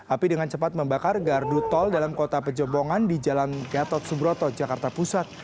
api dengan cepat membakar gardu tol dalam kota pejombongan di jalan gatot subroto jakarta pusat